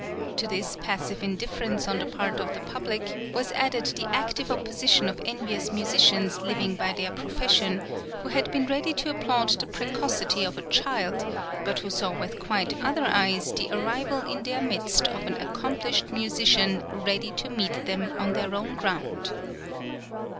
To this passive indifference on the part of the public was added the active opposition of envious musicians living by their profession, who had been ready to applaud the precocity of a child, but who saw with quite other eyes the arrival in their midst of an accomplished musician ready to meet them on their own ground.